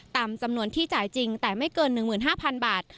ตามจำนวนที่จ่ายจริงแต่ไม่เกิน๑๕๐๐๐บาท